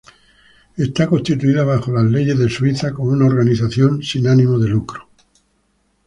Está constituida bajo las leyes de Suiza como una organización 'sin fines de lucro'.